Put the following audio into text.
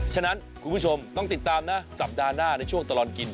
ฉะนั้นคุณผู้ชมต้องติดตามนะสัปดาห์หน้าในช่วงตลอดกิน